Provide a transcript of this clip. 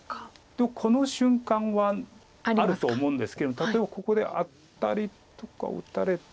でもこの瞬間はあると思うんですけども例えばここでアタリとかを打たれて。